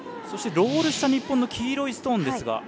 そして、ロールした日本の黄色いストーンですが。